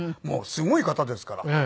もうすごい方ですから。